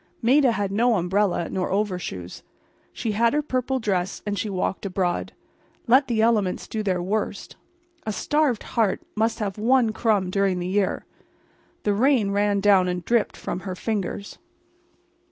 Maida had no umbrella nor overshoes. She had her purple dress and she walked abroad. Let the elements do their worst. A starved heart must have one crumb during a year. The rain ran down and dripped from her fingers.